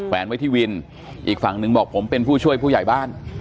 แวนไว้ที่วินอีกฝั่งหนึ่งบอกผมเป็นผู้ช่วยผู้ใหญ่บ้าน